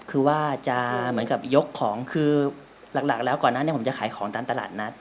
คือว่าจะเหมือนกับยกของคือหลักแล้วก่อนนั้นผมจะขายของตามตลาดนัด